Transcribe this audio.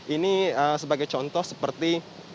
ini sebagai contoh seperti